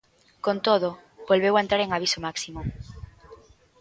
Con todo, volveu a entrar en aviso máximo.